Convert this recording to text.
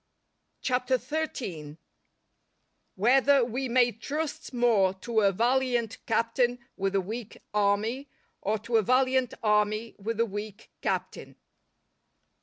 CHAPTER XIII.—_Whether we may trust more to a valiant Captain with a weak Army, or to a valiant Army with a weak Captain.